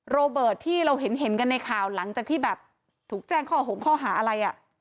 โรเบิร์ตที่เราเห็นกันในข่าวหลังจากที่แบบถูกแจ้งข้อหงข้อหาอะไร